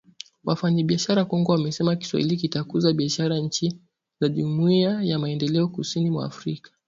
Wafanyabiashara Kongo wasema Kiswahili kitakuza biashara nchi za Jumuiya ya Maendeleo Kusini mwa Afrika